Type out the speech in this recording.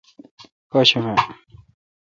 پاشنبہ